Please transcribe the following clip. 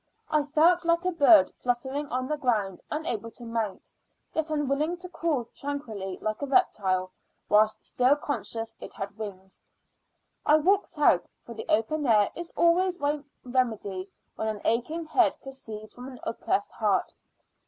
I felt like a bird fluttering on the ground unable to mount, yet unwilling to crawl tranquilly like a reptile, whilst still conscious it had wings. I walked out, for the open air is always my remedy when an aching head proceeds from an oppressed heart.